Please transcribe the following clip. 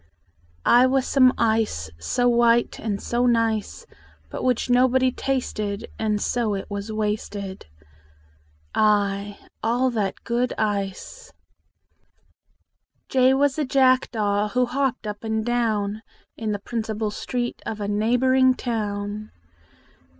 I was some ice So white and so nice, But which nobody tasted; And so it was wasted. i All that good ice! J was a jackdaw Who hopped up and dowa In the principal street Of a neighboring town.